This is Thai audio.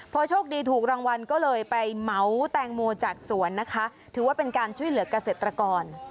พอโชคดีถูกรางวัลก็เลยไปเหมาแตงโมจากสวนนะคะถือว่าเป็นการช่วยเหลือกเกษตรกร